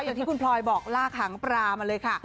อย่างที่คุณพลอยบอกลากหางปลามาเลยค่ะ